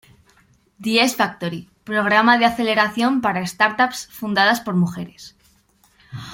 The S Factory: Programa de aceleración para startups fundadas por mujeres.